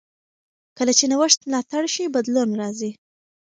کله چې نوښت ملاتړ شي، بدلون راځي.